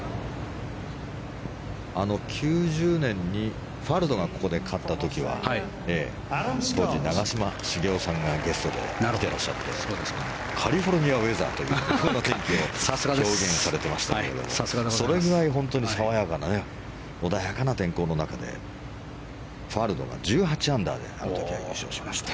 あの９０年にファルドがここで勝った時は当時、長嶋茂雄さんがゲストで来てらっしゃってカリフォルニアウェザーと天気を表現されていましたがそれぐらい爽やかな穏やかな天候の中でファルドが１８アンダーであの時は優勝しました。